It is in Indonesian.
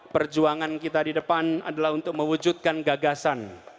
perjuangan kita di depan adalah untuk mewujudkan gagasan